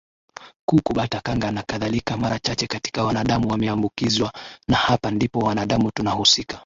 kuku bata kanga nakadhalika Mara chache hata wanadamu wameambukizwa Na hapa ndipo wanadamu tunahusika